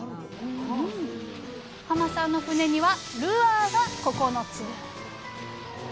さんの船にはルアーが９つ。